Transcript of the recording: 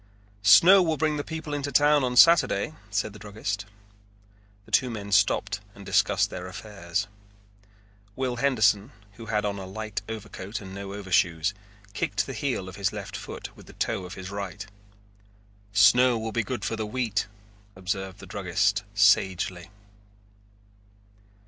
"Snow will bring the people into town on Saturday," said the druggist. The two men stopped and discussed their affairs. Will Henderson, who had on a light overcoat and no overshoes, kicked the heel of his left foot with the toe of the right. "Snow will be good for the wheat," observed the druggist sagely.